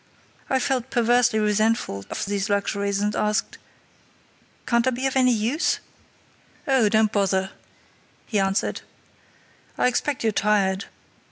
I felt perversely resentful of these luxuries, and asked: "Can't I be of any use?" "Oh, don't you bother," he answered. "I expect you're tired.